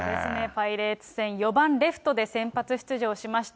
パイレーツ戦、４番レフトで先発出場しました。